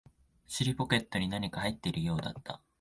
尻ポケットに何か入っているようだった